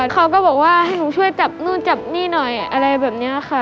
เขาก็บอกว่าให้หนูช่วยจับนู่นจับนี่หน่อยอะไรแบบนี้ค่ะ